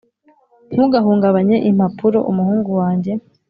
ntugahungabanye impapuro, umuhungu wanjye,